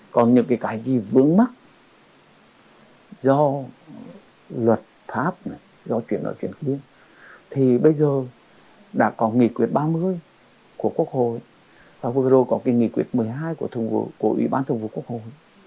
còn những cái gì vững mắc do luật pháp này do chuyển đổi chuyển khí điên thì bây giờ đã có nghị quyết ba mươi của quốc hội và vừa rồi có nghị quyết một mươi hai của ủy ban thông vụ quốc hội